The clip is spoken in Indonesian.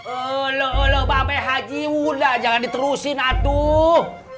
olah olah mbak be haji udah jangan diterusin atuh